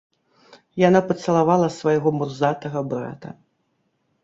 Яна пацалавала свайго мурзатага брата.